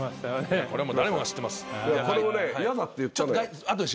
これ誰もが知ってます。